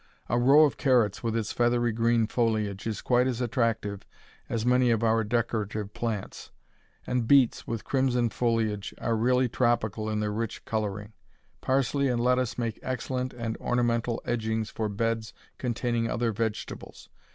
A row of carrots with its feathery green foliage is quite as attractive as many of our decorative plants; and beets, with crimson foliage, are really tropical in their rich coloring. Parsley and lettuce make excellent and ornamental edgings for beds containing other vegetables.